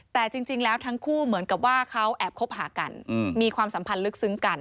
แต่จริงแล้วทั้งคู่เหมือนกับว่าเขาแอบคบหากันมีความสัมพันธ์ลึกซึ้งกัน